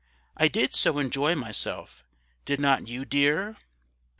I did so enjoy myself; did not you, DEAR?"